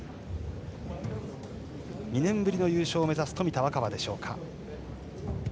２年ぶりの優勝を目指す冨田若春でしょうか。